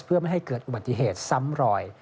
เพื่อไม่ให้เกิดอุบัติเหตุซ้ำรอย